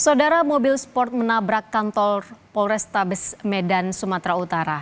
saudara mobil sport menabrak kantor polrestabes medan sumatera utara